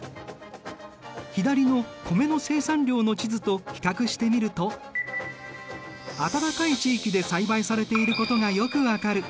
左の米の生産量の地図と比較してみると暖かい地域で栽培されていることがよく分かる。